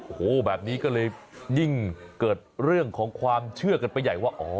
โอ้โหแบบนี้ก็เลยยิ่งเกิดเรื่องของความเชื่อกันไปใหญ่ว่าอ๋อ